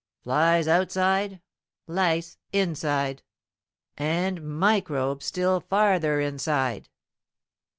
Flies outside, lice inside. " "And microbes still farther inside!"